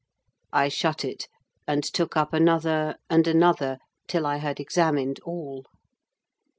I shut it, and took up another and another, till I had examined all.